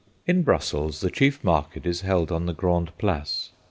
In Brussels the chief market is held on the Grande Place.